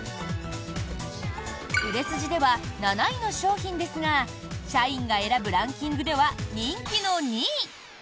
売れ筋では７位の商品ですが社員が選ぶランキングでは人気の２位。